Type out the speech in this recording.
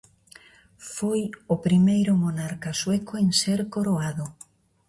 Foi o primeiro monarca sueco en ser coroado.